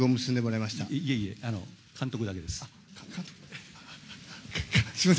いえいえ、監督だけです。